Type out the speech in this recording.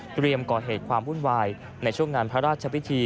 ก่อเหตุความวุ่นวายในช่วงงานพระราชพิธี